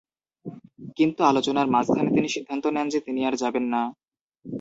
কিন্তু আলোচনার মাঝখানে তিনি সিদ্ধান্ত নেন যে তিনি আর যাবেন না।